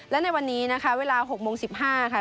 และในวันนี้นะคะเวลา๖โมง๑๕ค่ะ